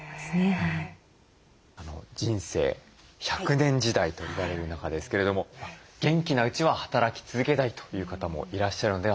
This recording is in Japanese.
人生１００年時代といわれる中ですけれども元気なうちは働き続けたいという方もいらっしゃるのではないでしょうか。